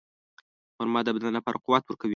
خرما د بدن لپاره قوت ورکوي.